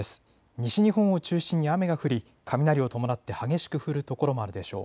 西日本を中心に雨が降り雷を伴って激しく降る所もあるでしょう。